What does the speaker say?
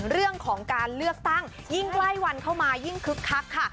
เรื่องของการเลือกตั้งยิ่งใกล้วันเข้ามายิ่งคึกคักค่ะ